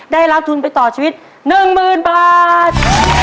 ได้รับทุนไปต่อชีวิต๑๐๐๐บาท